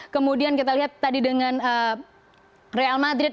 kemudian kita lihat tadi dengan real madrid